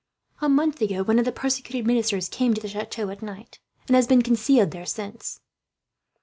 "A month ago, one of the persecuted ministers came to the chateau at night, and has been concealed there since.